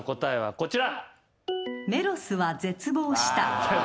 こちら。